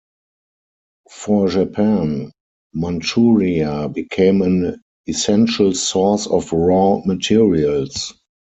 For Japan, Manchuria became an essential source of raw materials.